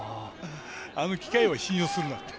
あの機械を信用するなって。